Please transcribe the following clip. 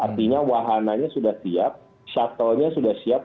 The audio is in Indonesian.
artinya wahananya sudah siap shuttle nya sudah siap